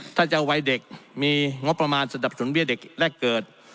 ถ้าจะเอาวัยเด็กมีงบประมาณสนับสนุนเบี้ยเด็กแรกเกิด